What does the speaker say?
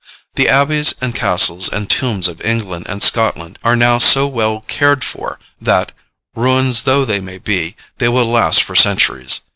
The abbeys and castles and tombs of England and Scotland are now so well cared for, that, ruins though they be, they will last for centuries.